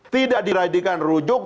tidak dirajikan rujuk